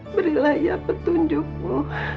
berilah ya petunjukmu